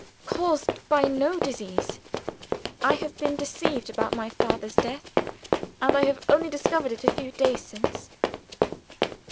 "Caused by no disease. I have been deceived about my father's death and I have only discovered it a few days since."